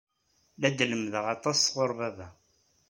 La d-lemmdeɣ aṭas sɣur baba.